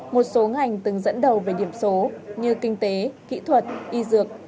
một số ngành từng dẫn đầu về điểm số như kinh tế kỹ thuật y dược